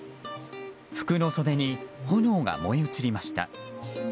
服の袖に炎が燃え移りました。